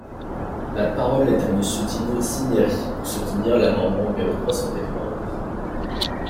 La parole est à Monsieur Dino Cinieri, pour soutenir l’amendement numéro trois cent quatre-vingt-onze.